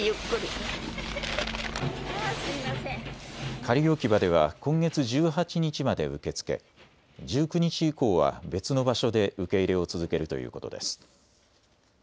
仮置き場では今月１８日まで受け付け、１９日以降は別の場所で受け入れを続けるということです。